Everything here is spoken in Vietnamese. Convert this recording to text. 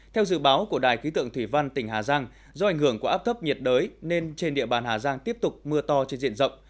theo dự báo của đài ký tượng thủy văn tỉnh hà giang do ảnh hưởng của áp thấp nhiệt đới nên trên địa bàn hà giang tiếp tục mưa to trên diện rộng